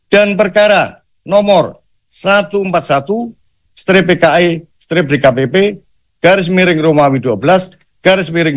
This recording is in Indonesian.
dan perkara nomor satu ratus empat puluh satu strip pki strip dkpp garis miring romawi dua belas garis miring dua ribu dua puluh tiga